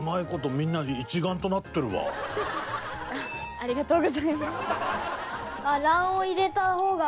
ありがとうございます。